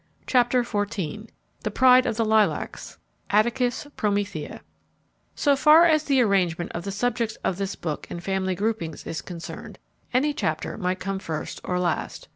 CHAPTER XIV The Pride of the Lilacs: Attacus Promethea So far as the arrangement ofthe subjects of this book in family groupings is concerned, any chapter might come first or last.